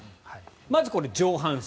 まず、これ上半身。